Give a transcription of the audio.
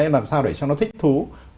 làm sao để cho nó thích thú